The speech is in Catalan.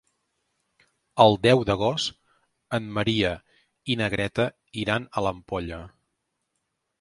El deu d'agost en Maria i na Greta iran a l'Ampolla.